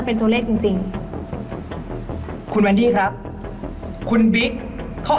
สนุกสนุกสนุกสนุก